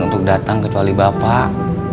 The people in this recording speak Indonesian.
untuk datang kecuali bapak